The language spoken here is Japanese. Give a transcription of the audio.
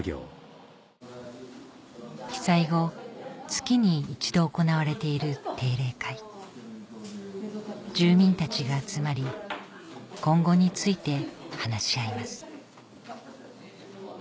被災後月に一度行われている住民たちが集まり今後について話し合います